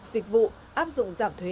dịch vụ áp dụng giảm thuế